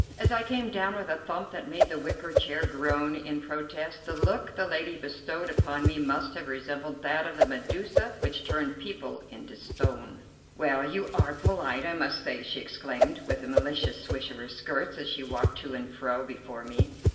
As I came down with a thump that made the wicker chair groan in protest, the look the lady bestowed upon me must have resembled that of the Medusa which turned people into stone. "Well, you are polite, I must say," she exclaimed, with a malicious swish of her skirts as she walked to and fro before me.